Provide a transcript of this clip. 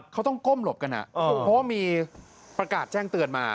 เขาต้องก้มหลบกันเพราะว่ามีประกาศแจ้งเตือนมา